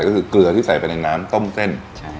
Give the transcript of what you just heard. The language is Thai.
ก็คือเกลือที่ใส่ไปในน้ำต้มเส้น